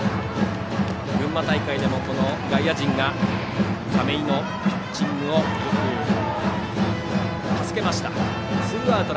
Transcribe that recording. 群馬大会でも外野陣が亀井のピッチングをよく助けました。